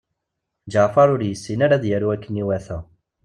Ǧeɛfer ur yessin ara ad yaru akken iwata.